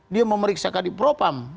dia memeriksa kadipropam